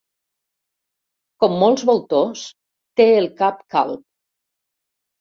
Com molts voltors, té el cap calb.